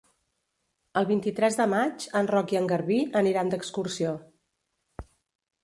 El vint-i-tres de maig en Roc i en Garbí aniran d'excursió.